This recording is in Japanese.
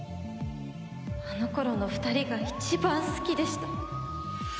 あの頃の２人が一番好きでした。